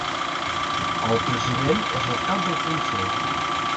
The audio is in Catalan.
El president és el cap del consell.